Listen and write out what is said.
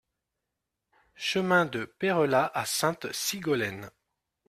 Chemin de Peyrelas à Sainte-Sigolène